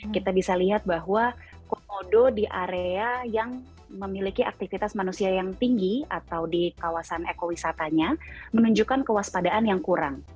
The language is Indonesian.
kita bisa lihat bahwa komodo di area yang memiliki aktivitas manusia yang tinggi atau di kawasan ekowisatanya menunjukkan kewaspadaan yang kurang